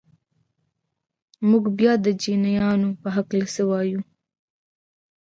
او موږ بيا د چينايانو په هکله څه وايو؟